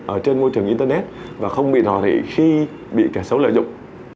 ở trên môi trường internet và không bị nò rỉ khi bị kẻ xấu lợi dụng